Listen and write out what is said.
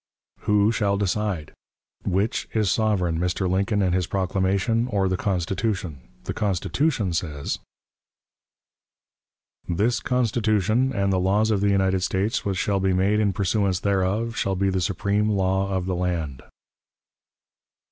Who shall decide? Which is sovereign, Mr. Lincoln and his proclamation or the Constitution? The Constitution says: "This Constitution, and the laws of the United States which shall be made in pursuance thereof, shall be the supreme law of the land."